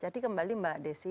jadi kembali mbak desi